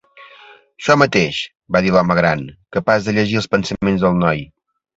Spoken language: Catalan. "Això mateix", va dir l'home gran, capaç de llegir els pensaments del noi.